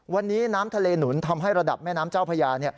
วันนี้น้ำทะเลหนุนทำให้ระดับแม่น้ำเจ้าพญา